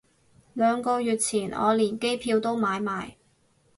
兩個月前我連機票都買埋